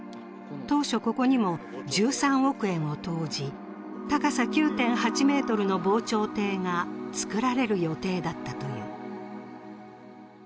当初、ここにも１３億円を投じ、高さ９．８ｍの防潮堤が造られる予定だったという。